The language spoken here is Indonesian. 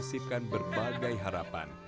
menyesipkan berbagai harapan